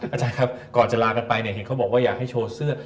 อาจารย์ครับก่อนจะลากันไปเนี่ยเห็นเขาบอกว่าอยากให้โชว์เสื้อ